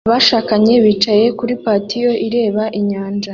Abashakanye bicaye kuri patio ireba inyanja